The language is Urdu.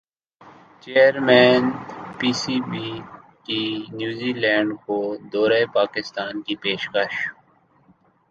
چیئرمین پیس بی کی نیوزی لینڈ کو دورہ پاکستان کی پیشکش